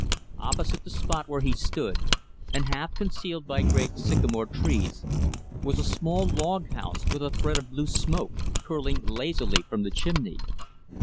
Opposite the spot where he stood, and half concealed by great sycamore trees, was a small, log house with a thread of blue smoke curling lazily from the chimney.